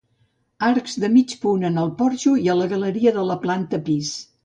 Arcs de mig punt en el porxo i a la galeria de la planta pis.